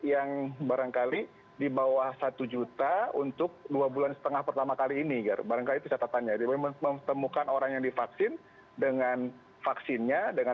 yang barangkali dibawah satu juta untuk dua bulan setengah pertama kali ini garba yang